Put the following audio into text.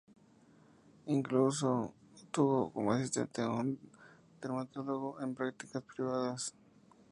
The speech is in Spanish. Incluso tuvo como asistente a un dermatólogo en prácticas privadas.